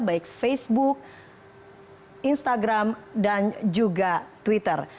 baik facebook instagram dan juga twitter